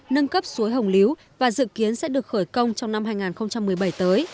nâng cấp suối hồng liếu và dự kiến sẽ được khởi công trong năm hai nghìn một mươi bảy tới